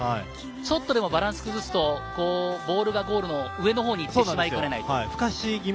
ちょっとでもバランスを崩すとボールがゴールの上のほうに行ってしまいかねない。